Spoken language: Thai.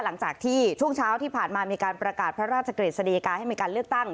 หลังจากที่ช่วงเช้าที่ผ่านมามีการประกาศพระราชกฤษฎีกาให้มีการเลือกตั้ง